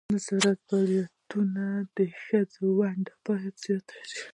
د زراعتي فعالیتونو کې د ښځو ونډه باید زیاته شي.